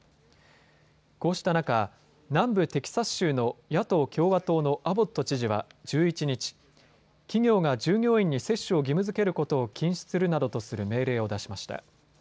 こうした中、南部テキサス州の野党共和党のアボット知事は１１日、企業が従業員に接種を義務づけることを禁止するなどとする命令を出しました。